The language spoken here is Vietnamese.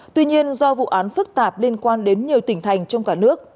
tuy nhiên do vụ án phức tạp liên quan đến nhiều tỉnh thành trong cả nước